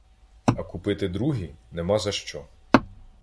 А купити другі — нема за що.